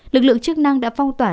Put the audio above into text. lực lượng chức năng đã phong tỏa